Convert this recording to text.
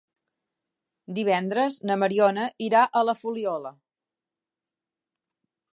Divendres na Mariona irà a la Fuliola.